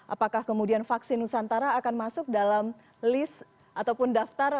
apakah kemudian vaksin nusantara akan masuk dalam list ataupun daftar